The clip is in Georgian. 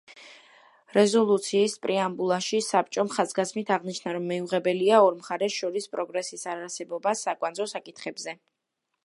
რეზოლუციის პრეამბულაში, საბჭომ ხაზგასმით აღნიშნა, რომ მიუღებელია ორ მხარეს შორის პროგრესის არარსებობა საკვანძო საკითხებზე.